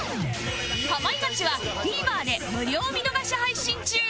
『かまいガチ』は ＴＶｅｒ で無料見逃し配信中